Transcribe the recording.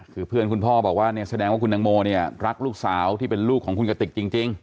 คือเพื่อนคุณพ่อบอกว่าเนี่ยแสดงว่าคุณตังโมเนี่ยรักลูกสาวที่เป็นลูกของคุณกติกจริง